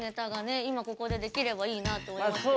今ここで出来ればいいなと思いますけどね。